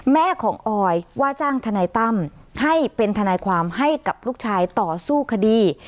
แม่ของออยว่าจ้างทนายตั้มให้เป็นทนายความให้กับลูกชายต่อสู้คดี